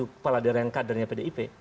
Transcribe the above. tujuh kepala dereng kadernya pdip